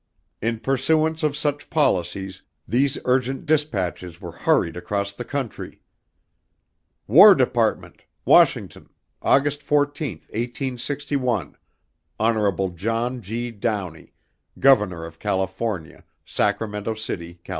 In pursuance of such policies, these urgent dispatches were hurried across the country: War Department. Washington, August 14, 1861. Hon. John G. Downey, Governor of California, Sacramento City, Cal.